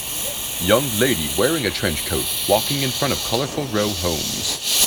Young lady wearing a trench coat walking in front of colorful row homes.